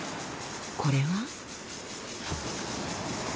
これは。